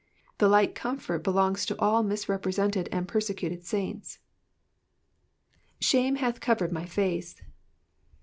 The like comfort belongs to all misrepresented and persecuted saints. *^8hame hath covered my face.'